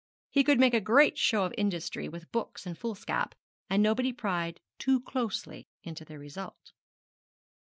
He could make a great show of industry with books and foolscap, and nobody pryed too closely into the result.